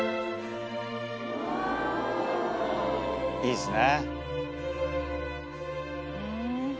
いいっすね。